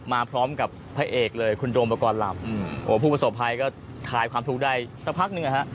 มาพร้อมกับพระเอกเลยคุณโดมประกอบลำผู้ประสบภัยก็คลายความทุกข์ได้สักพักหนึ่งนะฮะ